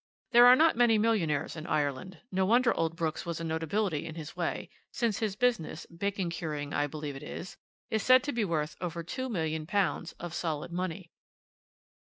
There are not many millionaires in Ireland; no wonder old Brooks was a notability in his way, since his business bacon curing, I believe it is is said to be worth over £2,000,000 of solid money.